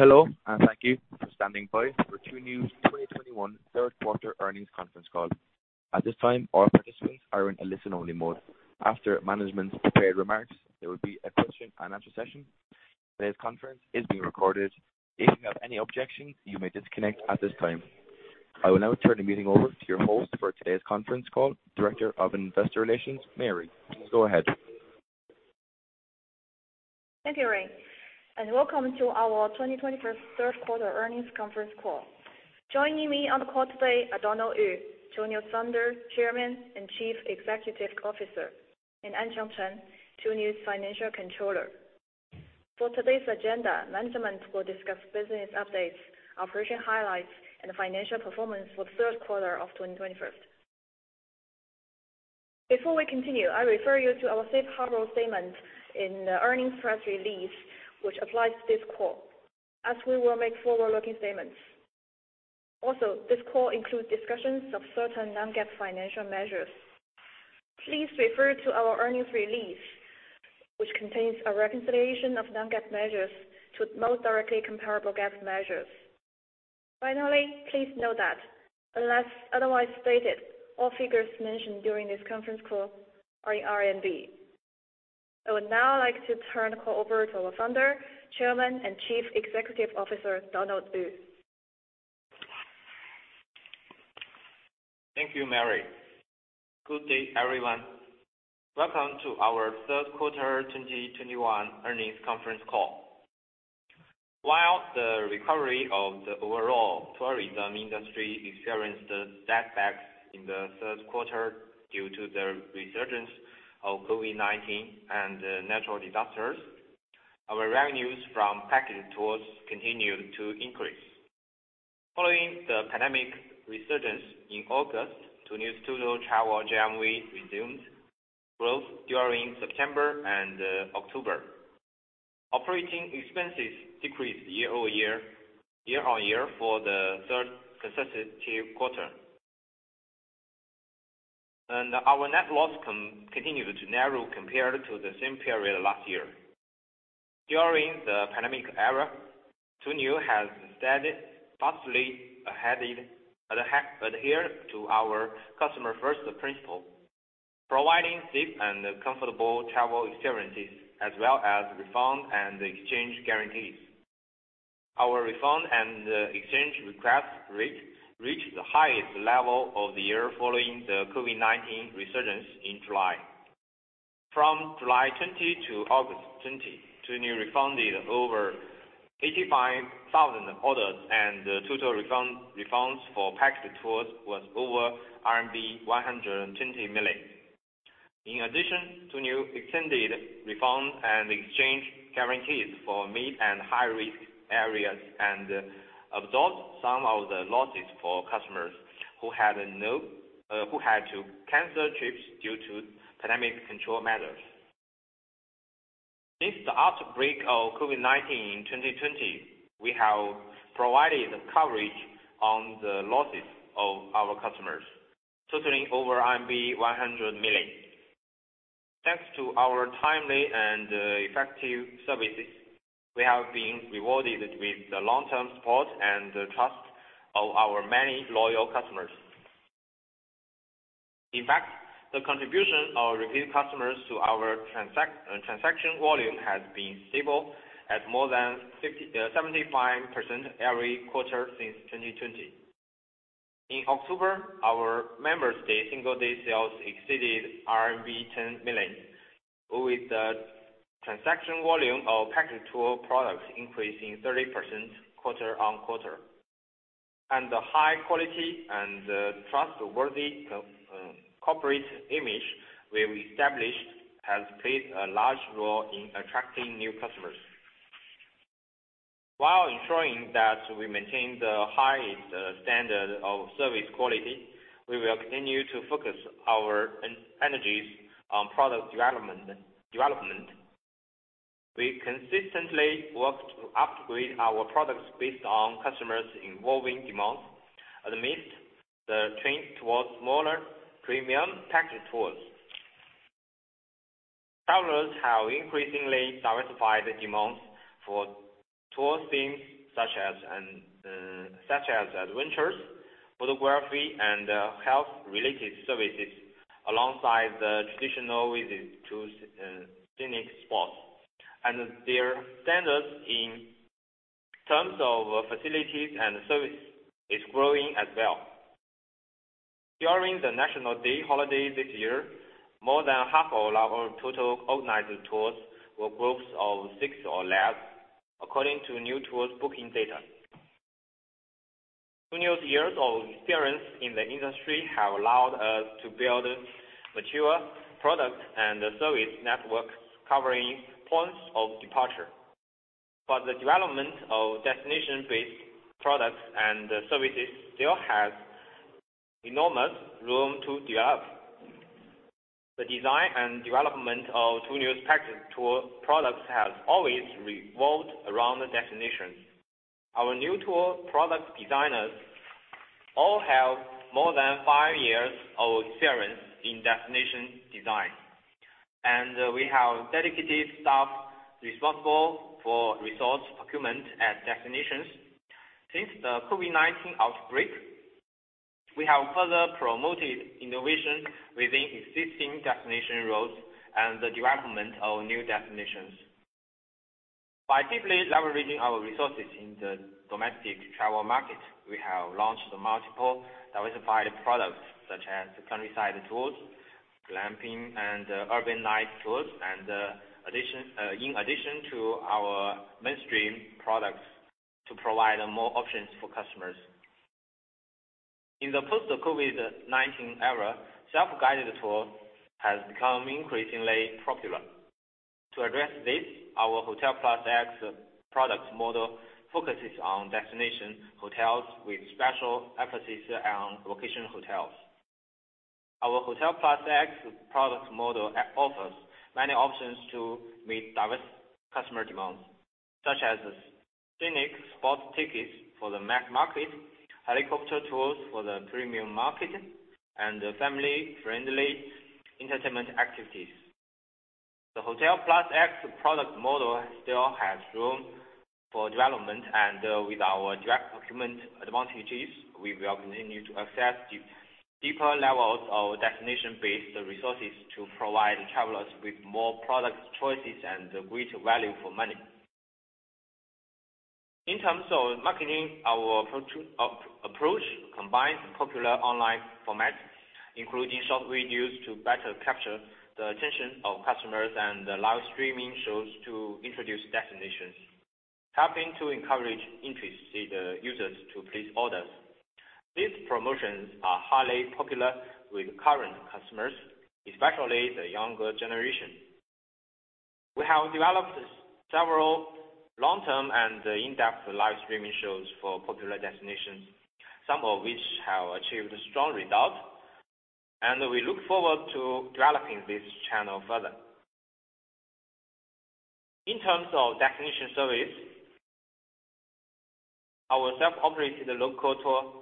Hello, and thank you for standing by for Tuniu's 2021 third quarter earnings conference call. At this time, all participants are in a listen-only mode. After management's prepared remarks, there will be a question and answer session. Today's conference is being recorded. If you have any objections, you may disconnect at this time. I will now turn the meeting over to your host for today's conference call, Director of Investor Relations, Mary. Go ahead. Thank you, Ray, and welcome to our 2021 third quarter earnings conference call. Joining me on the call today are Dunde Yu, Tuniu's Founder, Chairman, and Chief Executive Officer, and Anqiang Chen, Tuniu's Financial Controller. For today's agenda, management will discuss business updates, operation highlights, and financial performance for the third quarter of 2021. Before we continue, I refer you to our safe harbor statement in the earnings press release, which applies to this call, as we will make forward-looking statements. Also, this call includes discussions of certain non-GAAP financial measures. Please refer to our earnings release, which contains a reconciliation of non-GAAP measures to the most directly comparable GAAP measures. Finally, please note that unless otherwise stated, all figures mentioned during this conference call are in RMB. I would now like to turn the call over to our Founder, Chairman, and Chief Executive Officer, Dunde Yu. Thank you, Mary. Good day, everyone. Welcome to our third quarter 2021 earnings conference call. While the recovery of the overall tourism industry experienced setbacks in the third quarter due to the resurgence of COVID-19 and natural disasters, our revenues from packaged tours continued to increase. Following the pandemic resurgence in August, Tuniu's total travel GMV resumed growth during September and October. Operating expenses decreased year-over-year for the third consecutive quarter. Our net loss continued to narrow compared to the same period last year. During the pandemic era, Tuniu has stayed steadfastly adhered to our customer first principle, providing safe and comfortable travel experiences, as well as refund and exchange guarantees. Our refund and exchange request rate reached the highest level of the year following the COVID-19 resurgence in July. From July 20 to August 20, Tuniu refunded over 85,000 orders and the total refunds for package tours was over RMB 120 million. In addition, Tuniu extended refund and exchange guarantees for mid- and high-risk areas and absorbed some of the losses for customers who had to cancel trips due to pandemic control measures. Since the outbreak of COVID-19 in 2020, we have provided coverage on the losses of our customers, totaling over RMB 100 million. Thanks to our timely and effective services, we have been rewarded with the long-term support and trust of our many loyal customers. In fact, the contribution of repeat customers to our transaction volume has been stable at more than 75% every quarter since 2020. In October, our members' day single day sales exceeded RMB 10 million, with the transaction volume of package tour products increasing 30% quarter-on-quarter. The high quality and trustworthy corporate image we've established has played a large role in attracting new customers. While ensuring that we maintain the highest standard of service quality, we will continue to focus our energies on product development. We consistently work to upgrade our products based on customers' evolving demands amidst the trend towards smaller premium package tours. Travelers have increasingly diversified demands for tour themes such as adventures, photography, and health-related services alongside the traditional visits to scenic spots. Their standards in terms of facilities and service is growing as well. During the National Day holiday this year, more than half of our total organized tours were groups of six or less, according to new tours booking data. Tuniu's years of experience in the industry have allowed us to build mature product and service networks covering points of departure. The development of destination-based products and services still has enormous room to develop. The design and development of Tuniu's package tour products has always revolved around the destination. Our new tour product designers all have more than five years of experience in destination design. We have dedicated staff responsible for resource procurement and destinations. Since the COVID-19 outbreak, we have further promoted innovation within existing destination routes and the development of new destinations. By deeply leveraging our resources in the domestic travel market, we have launched multiple diversified products such as the countryside tours, glamping, and urban life tours, in addition to our mainstream products to provide more options for customers. In the post-COVID-19 era, self-guided tour has become increasingly popular. To address this, our Hotel Plus X product model focuses on destination hotels with special emphasis on location hotels. Our Hotel Plus X product model offers many options to meet diverse customer demands, such as scenic spot tickets for the mass market, helicopter tours for the premium market, and family-friendly entertainment activities. The Hotel Plus X product model still has room for development, and with our direct procurement advantages, we will continue to access deeper levels of destination-based resources to provide travelers with more product choices and greater value for money. In terms of marketing, our approach combines popular online formats, including short videos, to better capture the attention of customers and live streaming shows to introduce destinations, helping to encourage interested users to place orders. These promotions are highly popular with current customers, especially the younger generation. We have developed several long-term and in-depth live streaming shows for popular destinations, some of which have achieved strong results, and we look forward to developing this channel further. In terms of destination service, our self-operated local tour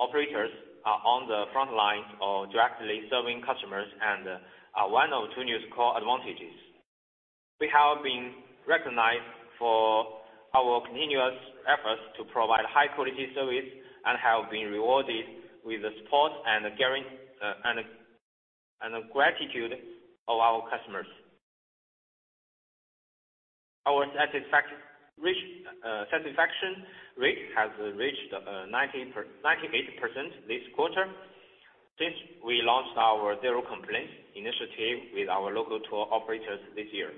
operators are on the front lines of directly serving customers and are one of Tuniu's core advantages. We have been recognized for our continuous efforts to provide high-quality service and have been rewarded with the support and caring and gratitude of our customers. Our satisfaction rate has reached 98% this quarter since we launched our zero-complaint initiative with our local tour operators this year.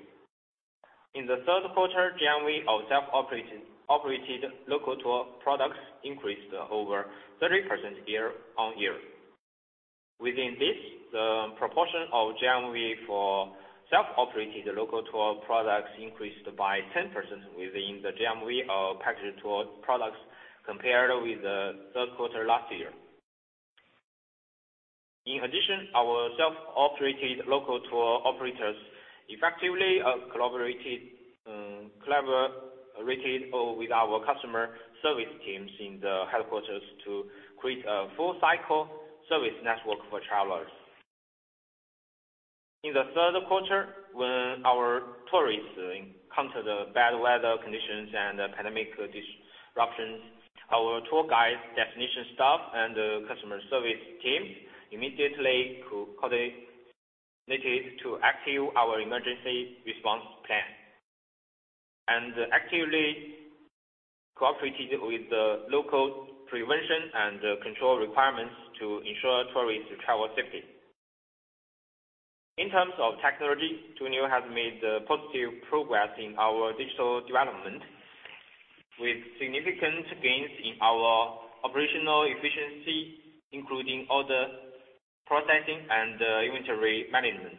In the third quarter, GMV of self-operated, operated local tour products increased over 30% year-on-year. Within this, the proportion of GMV for self-operated local tour products increased by 10% within the GMV of package tour products compared with the third quarter last year. In addition, our self-operated local tour operators have effectively collaborated with our customer service teams in the headquarters to create a full-cycle service network for travelers. In the third quarter, when our tourists encountered bad weather conditions and pandemic disruptions, our tour guides, destination staff, and customer service teams immediately coordinated to activate our emergency response plan and actively cooperated with the local prevention and control requirements to ensure tourists' travel safety. In terms of technology, Tuniu has made positive progress in our digital development, with significant gains in our operational efficiency, including order processing and inventory management.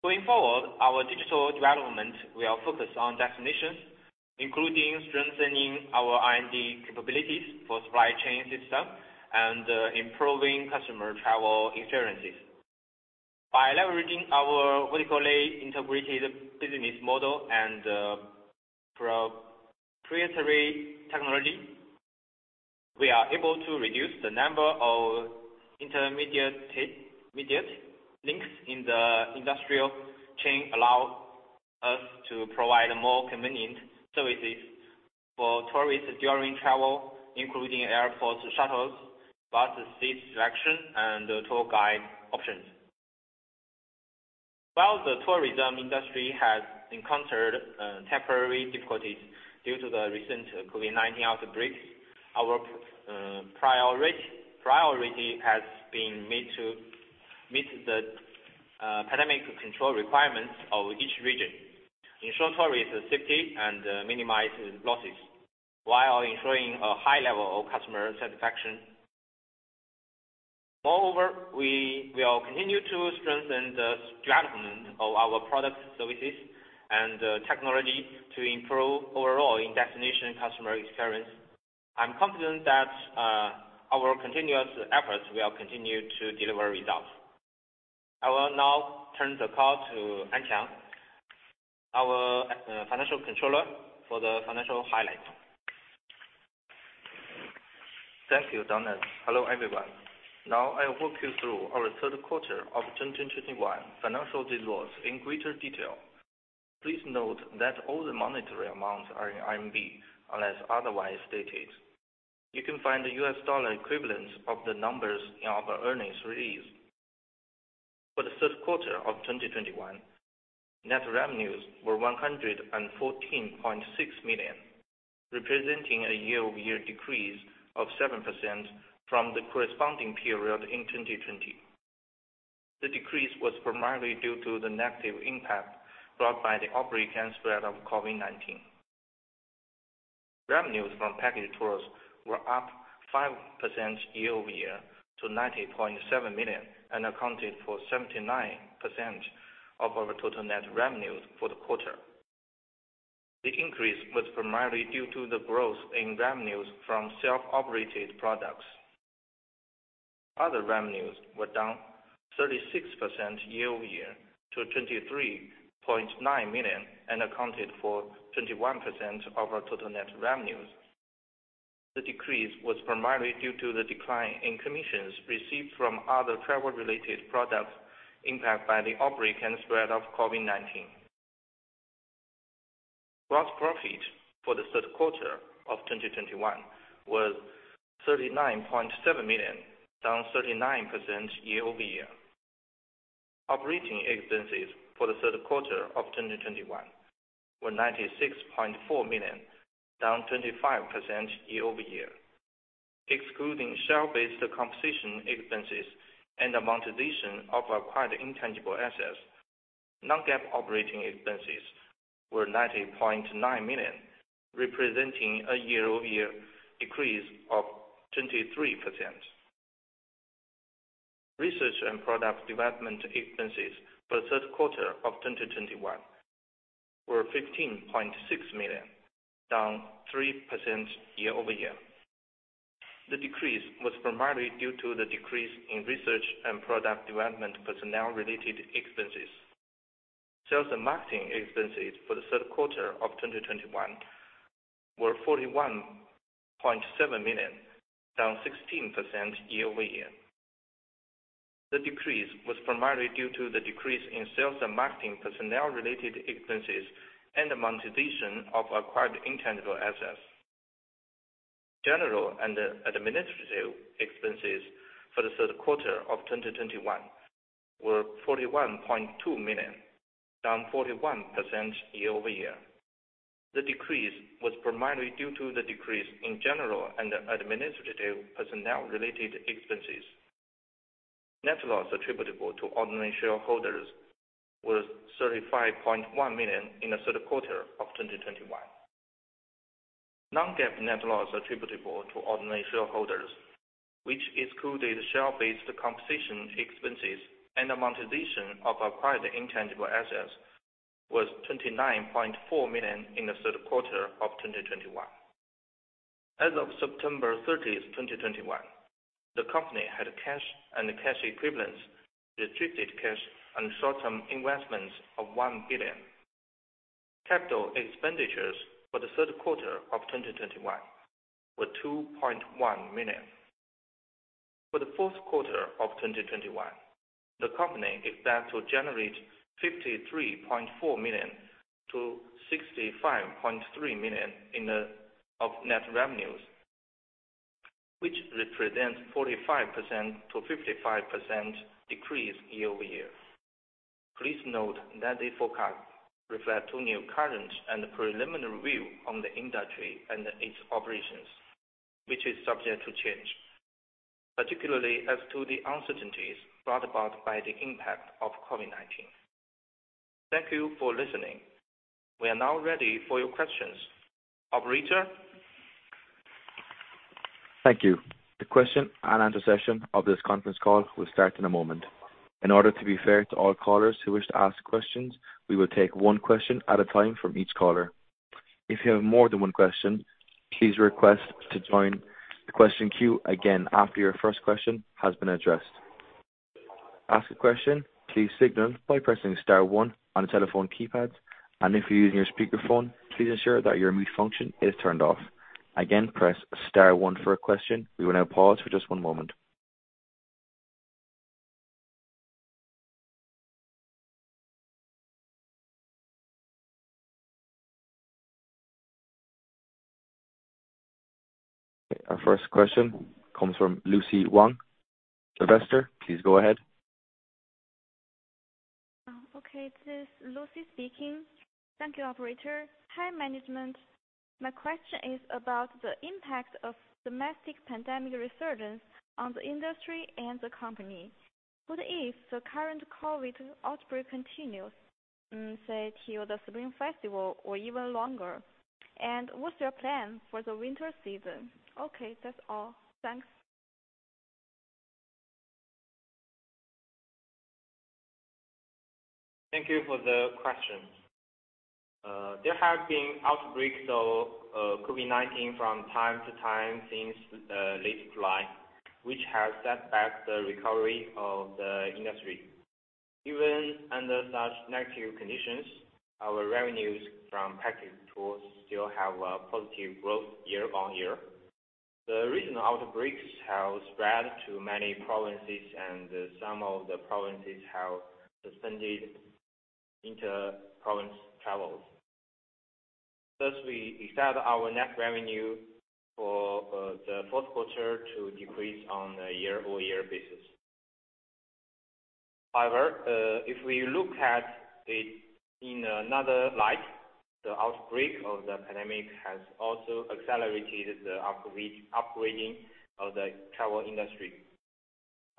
Going forward, our digital development will focus on destinations, including strengthening our R&D capabilities for supply chain system and improving customer travel experiences. By leveraging our vertically integrated business model and proprietary technology, we are able to reduce the number of intermediate links in the industrial chain, allow us to provide more convenient services for tourists during travel, including airport shuttles, bus seat selection, and tour guide options. While the tourism industry has encountered temporary difficulties due to the recent COVID-19 outbreak, our priority has been made to meet the pandemic control requirements of each region, ensure tourists' safety, and minimize losses, while ensuring a high level of customer satisfaction. Moreover, we will continue to strengthen the development of our product services and technology to improve overall in-destination customer experience. I'm confident that our continuous efforts will continue to deliver results. I will now turn the call to Anqiang, our Financial Controller, for the financial highlights. Thank you, Dunde Yu. Hello, everyone. Now I'll walk you through our third quarter of 2021 financial results in greater detail. Please note that all the monetary amounts are in RMB, unless otherwise stated. You can find the U.S. dollar equivalents of the numbers in our earnings release. For the third quarter of 2021, net revenues were 114.6 million, representing a year-over-year decrease of 7% from the corresponding period in 2020. The decrease was primarily due to the negative impact brought by the outbreak and spread of COVID-19. Revenues from packaged tours were up 5% year-over-year to 90.7 million and accounted for 79% of our total net revenues for the quarter. The increase was primarily due to the growth in revenues from self-operated products. Other revenues were down 36% year-over-year to 23.9 million and accounted for 21% of our total net revenues. The decrease was primarily due to the decline in commissions received from other travel-related products impacted by the outbreak and spread of COVID-19. Gross profit for the third quarter of 2021 was 39.7 million, down 39% year-over-year. Operating expenses for the third quarter of 2021 were 96.4 million, down 25% year-over-year. Excluding share-based compensation expenses and amortization of acquired intangible assets, non-GAAP operating expenses were 90.9 million, representing a year-over-year decrease of 23%. Research and product development expenses for the third quarter of 2021 were 15.6 million, down 3% year-over-year. The decrease was primarily due to the decrease in research and product development personnel-related expenses. Sales and marketing expenses for the third quarter of 2021 were 41.7 million, down 16% year-over-year. The decrease was primarily due to the decrease in sales and marketing personnel-related expenses and amortization of acquired intangible assets. General and Administrative expenses for the third quarter of 2021 were 41.2 million, down 41% year-over-year. The decrease was primarily due to the decrease in General and Administrative personnel-related expenses. Net loss attributable to ordinary shareholders was 35.1 million in the third quarter of 2021. Non-GAAP net loss attributable to ordinary shareholders, which excluded share-based compensation expenses and amortization of acquired intangible assets, was 29.4 million in the third quarter of 2021. As of September 30, 2021, the company had cash and cash equivalents, restricted cash and short-term investments of 1 billion. Capital expenditures for the third quarter of 2021 were 2.1 million. For the fourth quarter of 2021, the company expects to generate 53.4 million-65.3 million in net revenues, which represents 45%-55% decrease year-over-year. Please note that the forecast reflect Tuniu current and preliminary view on the industry and its operations, which is subject to change, particularly as to the uncertainties brought about by the impact of COVID-19. Thank you for listening. We are now ready for your questions. Operator? Thank you. The question and answer session of this conference call will start in a moment. In order to be fair to all callers who wish to ask questions, we will take one question at a time from each caller. If you have more than one question, please request to join the question queue again after your first question has been addressed. To ask a question, please signal by pressing star one on your telephone keypads. If you're using your speakerphone, please ensure that your mute function is turned off. Again, press star one for a question. We will now pause for just one moment. Our first question comes from Lucy Wang. Investor, please go ahead. Okay. This is Lucy speaking. Thank you, operator. Hi, management. My question is about the impact of domestic pandemic resurgence on the industry and the company. What if the current COVID outbreak continues, say till the Spring Festival or even longer? And what's your plan for the winter season? Okay. That's all. Thanks. Thank you for the question. There have been outbreaks of COVID-19 from time to time since late July, which has set back the recovery of the industry. Even under such negative conditions, our revenues from packaged tours still have a positive growth year-on-year. The regional outbreaks have spread to many provinces, and some of the provinces have suspended inter-province travel. Thus, we expect our net revenue for the fourth quarter to decrease on a year-over-year basis. However, if we look at it in another light, the outbreak of the pandemic has also accelerated the upgrading of the travel industry.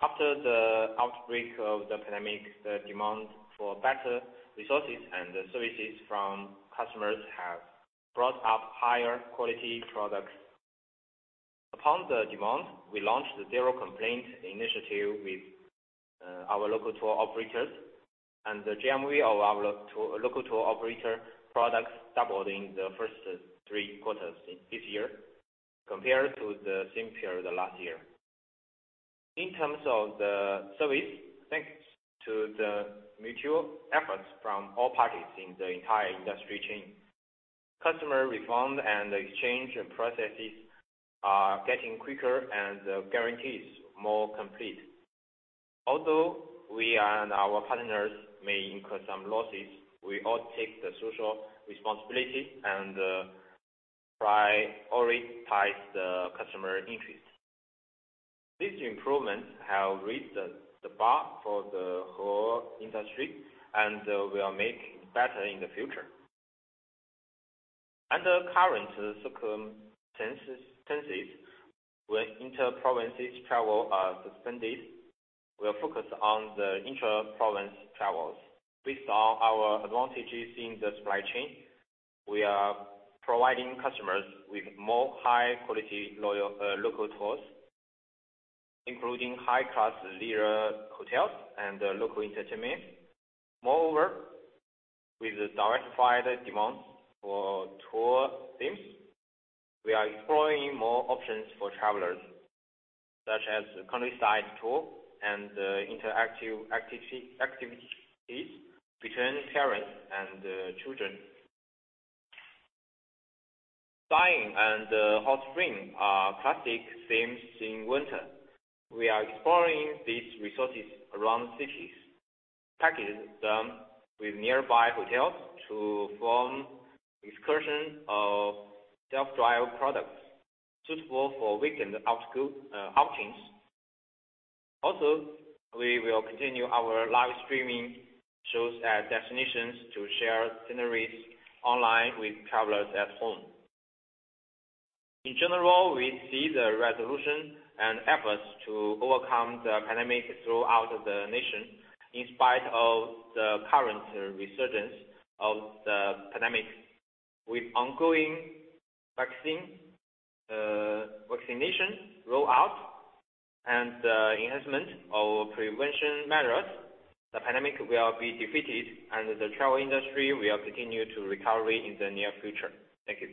After the outbreak of the pandemic, the demand for better resources and the services from customers have brought up higher quality products. Upon the demand, we launched the zero complaint initiative with our local tour operators. The GMV of our local tour operator products doubled in the first three quarters in this year compared to the same period last year. In terms of the service, thanks to the mutual efforts from all parties in the entire industry chain, customer refund and exchange processes are getting quicker, and the guarantee is more complete. Although we and our partners may incur some losses, we all take the social responsibility and prioritize the customer interest. These improvements have raised the bar for the whole industry and will make it better in the future. Under current circumstances where inter-provinces travel are suspended, we are focused on the intra-province travels. Based on our advantages in the supply chain, we are providing customers with more high quality loyal local tours, including high-class hotels and local entertainment. Moreover, with the diversified demands for tour themes, we are exploring more options for travelers, such as the countryside tour and interactive activities between parents and children. Skiing and hot spring are classic themes in winter. We are exploring these resources around cities, package them with nearby hotels to form excursions or self-drive products suitable for weekend outings. Also, we will continue our live streaming shows at destinations to share sceneries online with travelers at home. In general, we see the resolution and efforts to overcome the pandemic throughout the nation. In spite of the current resurgence of the pandemic, with ongoing vaccination rollout and enhancement of prevention measures, the pandemic will be defeated, and the travel industry will continue to recover in the near future. Thank you.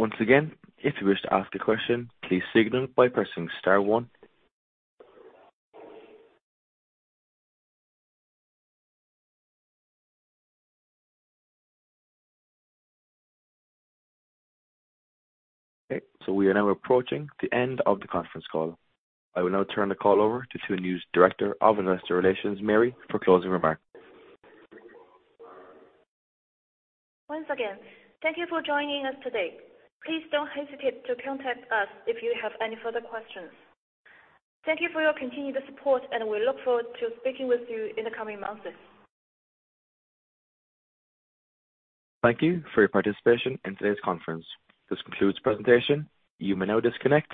Once again, if you wish to ask a question, please signal by pressing star one. Okay, we are now approaching the end of the conference call. I will now turn the call over to Tuniu's Director of Investor Relations, Mary, for closing remarks. Once again, thank you for joining us today. Please don't hesitate to contact us if you have any further questions. Thank you for your continued support, and we look forward to speaking with you in the coming months. Thank you for your participation in today's conference. This concludes the presentation. You may now disconnect.